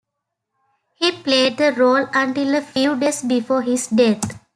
He played the role until a few days before his death.